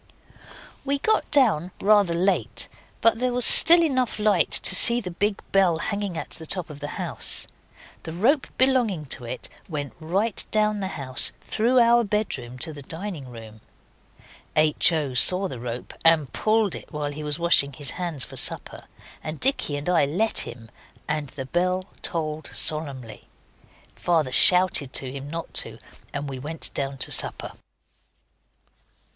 We got down rather late, but there was still light enough to see the big bell hanging at the top of the house. The rope belonging to it went right down the house, through our bedroom to the dining room. H. O. saw the rope and pulled it while he was washing his hands for supper, and Dicky and I let him, and the bell tolled solemnly. Father shouted to him not to, and we went down to supper.